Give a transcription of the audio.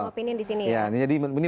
oh masih ada opini di sini